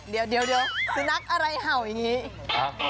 เดี๋ยวสุนัขอะไรเห่าอย่างนี้